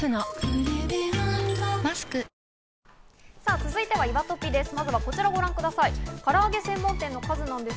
続いてはいわトピです。